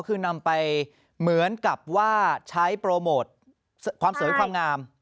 คือนำไปเหมือนกับว่าใช้โปรโมทความสวยความงาม